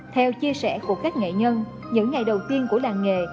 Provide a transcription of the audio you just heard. theo chia sẻ của các nghệ nhân những ngày đầu tiên của làng nghề